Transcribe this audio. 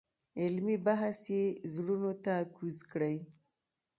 علمي بحث یې زړونو ته کوز کړی.